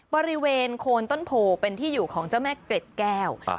บริเวณโคนต้นโพเป็นที่อยู่ของเจ้าแม่เกร็ดแก้ว